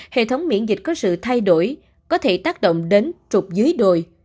hệ thống miễn dịch có sự thay đổi có thể tác động đến trục dưới đồi